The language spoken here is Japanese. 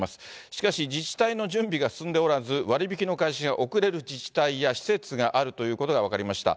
しかし、自治体の準備が進んでおらず、割引の開始が遅れる自治体や、施設があるということが分かりました。